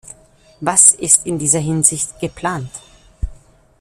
Was ist in dieser Hinsicht geplant?